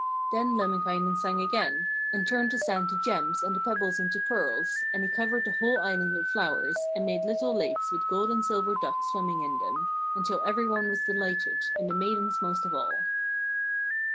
Then Lemminkainen sang again, and turned the sand to gems and the pebbles into pearls, and he covered the whole island with flowers, and made little lakes with gold and silver ducks swimming in them, until every one was delighted, and the maidens most of all.